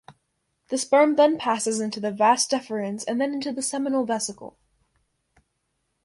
The sperm then passes into the vas deferens and then into the seminal vesicle.